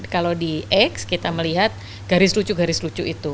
kalau di x kita melihat garis lucu garis lucu itu